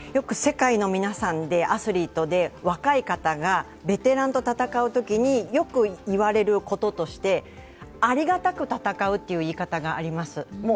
世界のアスリートで若い方がベテランと戦うときに、よく言われることとしてありがたく戦うという言い方があります。